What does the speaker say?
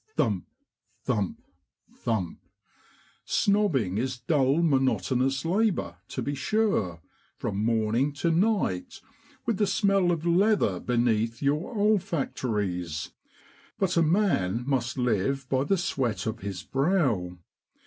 Thump! thump ! thump! Snobbing is dull monotonous labour, to be sure, from morning to night, with the smell of leather beneath your olfactories; but a man must live by the sweat of his brow.